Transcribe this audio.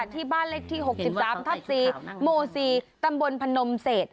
ที่บ้านเล็กที่๖๓ทับ๔หมู่๔ตำบลพนมเศษ